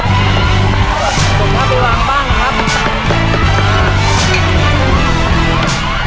กดข้างไปวางบ้างนะครับ